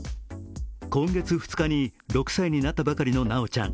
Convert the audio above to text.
今月２日に６歳になったばかりの修ちゃん。